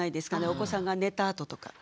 お子さんが寝たあととか。